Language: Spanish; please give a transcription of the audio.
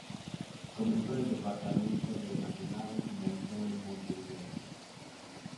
Comenzó en el departamento de Maldonado y finalizó en Montevideo.